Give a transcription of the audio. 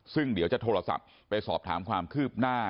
ซึ่งเดี๋ยวจะโทรศัพท์ไปสอบถามความคืบหน้า